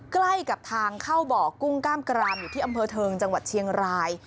ใกล้กับทางเข้าบ่อกุ้งกล้ามกรามอยู่ที่อำเภอเทิงจังหวัดเชียงราย